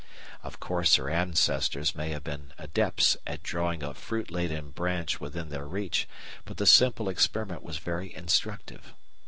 Of course her ancestors may have been adepts at drawing a fruit laden branch within their reach, but the simple experiment was very instructive.